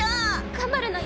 頑張るのよ！